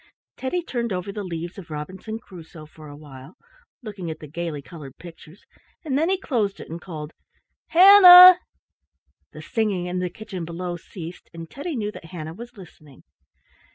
Teddy turned over the leaves of Robinson Crusoe for a while, looking at the gaily colored pictures, and then he closed it and called, "Hannah!" The singing in the kitchen below ceased, and Teddy knew that Hannah was listening.